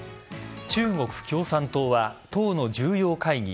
中国共産党は党の重要会議